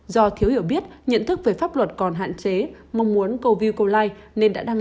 bốn do thiếu hiểu biết nhận thức về pháp luật còn hạn chế mong muốn cầu view cầu like nên đã đăng